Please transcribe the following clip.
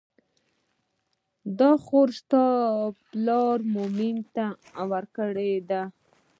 دا خور ستا پلار مومن خان ته ورکړې ده.